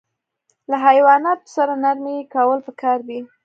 له حیواناتو سره نرمي کول پکار دي.